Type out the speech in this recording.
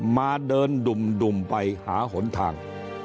มาเดินดุ่มไปหาหนทาง